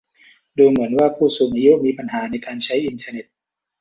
ดูเหมือนว่าผู้สูงอายุมีปัญหาในการใช้อินเทอร์เน็ต